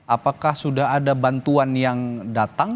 apakah sudah ada bantuan yang datang